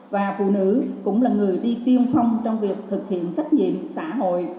và phụ nữ cũng là người đi tiên phong trong việc thực hiện trách nhiệm xã hội